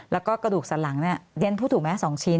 แล้วก็กระดูกศรัทรรณ์เด้นพูดถูกไหม๒ชิ้น